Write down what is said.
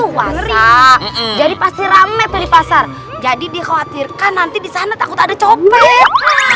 puasa jadi pasti ramai tuh di pasar jadi dikhawatirkan nanti di sana takut ada copet